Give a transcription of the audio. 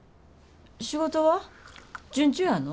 仕事は順調やの？